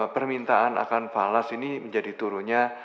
permintaan akan falas ini menjadi turunnya